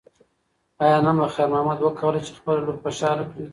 ایا نن به خیر محمد وکولی شي چې خپله لور خوشحاله کړي؟